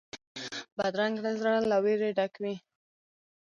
بدرنګه زړه له وېرې ډک وي